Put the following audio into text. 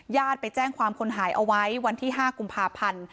ไปแจ้งความคนหายเอาไว้วันที่๕กุมภาพันธ์